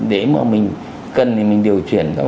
để mà mình cần thì mình điều chuyển